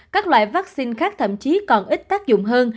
các loại vaccine khác thậm chí còn ít tác dụng hơn